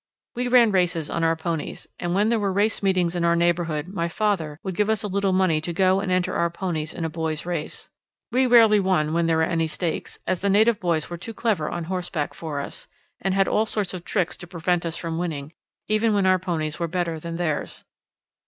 We ran races on our ponies, and when there were race meetings in our neighbourhood my father would give us a little money to go and enter our ponies in a boys' race. We rarely won when there were any stakes, as the native boys were too clever on horseback for us, and had all sorts of tricks to prevent us from winning, even when our ponies were better than theirs.